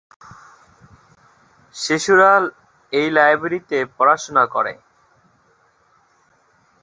শিশুরা এ লাইব্রেরিতে পড়াশুনা করে।